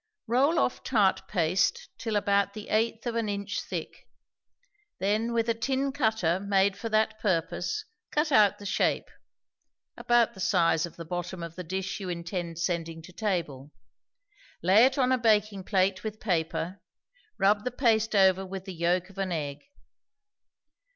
Roll off tart paste till about the eighth of an inch thick, then with a tin cutter made for that purpose cut out the shape (about the size of the bottom of the dish you intend sending to table), lay it on a baking plate with paper, rub the paste over with the yolk of an egg.